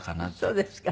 そうですか。